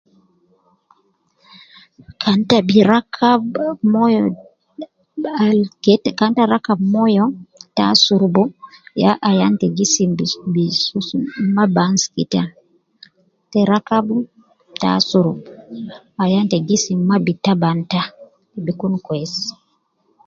Kan te bi rakab oh moyo Al ke, kan ita rakab moyo tasurub yaa ayan ta gisim bsm maa bi amsuku ita. Te rakabu ta asurub ayan ta gisim maa bi taban ita.